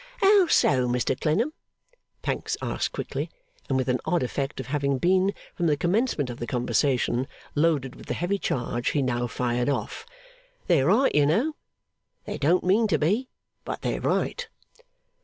'How so, Mr Clennam?' Pancks asked quickly, and with an odd effect of having been from the commencement of the conversation loaded with the heavy charge he now fired off. 'They're right, you know. They don't mean to be, but they're right.